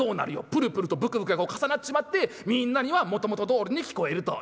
プルプルとブクブクが重なっちまってみんなにはもともとどおりに聞こえると。